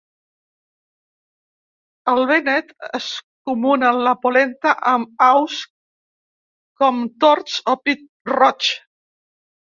Al Vènet és comuna la polenta amb aus, com tords o pit-roigs.